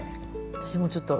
私もちょっと。